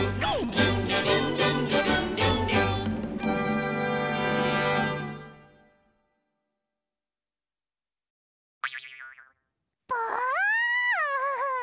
「リンリリンリンリリンリンリン」ぽう！